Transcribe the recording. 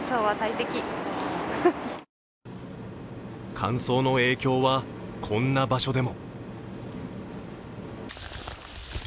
乾燥の影響は、こんな場所でも。